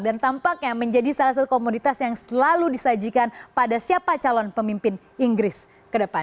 dan tampaknya menjadi salah satu komoditas yang selalu disajikan pada siapa calon pemimpin inggris ke depan